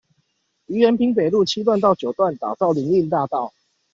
於延平北路七段到九段打造林蔭大道